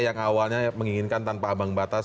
yang awalnya menginginkan tanpa ambang batas